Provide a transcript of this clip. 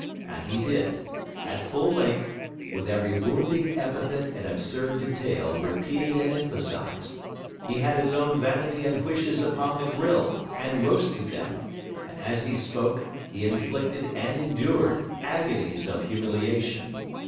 And he did: at full length, with every wounding epithet and absurd detail repeated and emphasised; he had his own vanity and Huish's upon the grill, and roasted them; and as he spoke, he inflicted and endured agonies of humiliation.